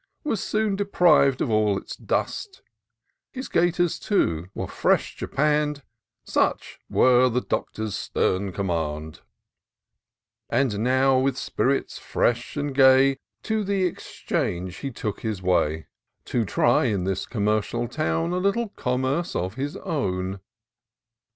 Was soon depriv'd of all its dust ; His gaiters, too, were fresh japann'd; Such were the Doctor's stem command ; And now, with spirits fresh and gay. To the Exchange he took his way. To try in this commercial town A little commerce of his own.